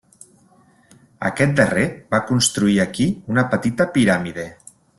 Aquest darrer va construir aquí una petita piràmide.